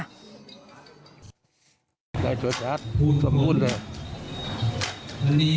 ให้ชัดสมบูรณ์เนี่ย